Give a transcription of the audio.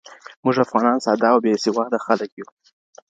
موږ افغانان ساده او بیسواده خلک یو